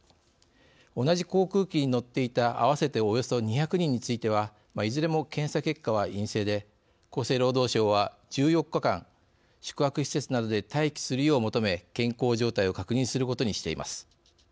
同じ航空機に乗っていた合わせておよそ２００人についてはいずれも検査結果は陰性で厚生労働省は１４日間宿泊施設などで待機するよう求め健康状態を確認することにしています。